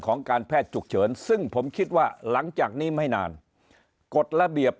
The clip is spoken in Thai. การแพทย์ฉุกเฉินซึ่งผมคิดว่าหลังจากนี้ไม่นานกฎระเบียบ